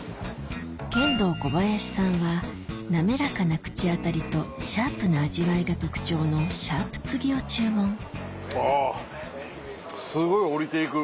ケンドーコバヤシさんは滑らかな口当たりとシャープな味わいが特徴のあぁすごい下りていく。